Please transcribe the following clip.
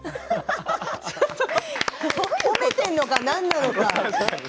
ちょっと褒めてるのか何なのか。